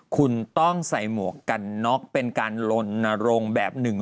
คุณต้องใส่หมวกกันน็อกเป็นการลดนรงแบบ๑๐๐เต้ม